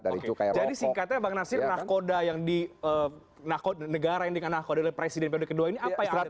jadi singkatnya bang narsir nahkoda yang di negara yang dikanak kode presiden pprd ke dua ini apa yang ada